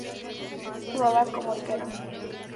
Jugaba como arquero.